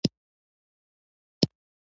هر ولایت څنګه پرمختګ کوي؟